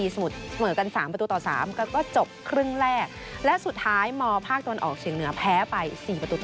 สมุทรเสมอกัน๓ประตูต่อ๓แล้วก็จบครึ่งแรกและสุดท้ายมภาคตะวันออกเฉียงเหนือแพ้ไป๔ประตูต่อ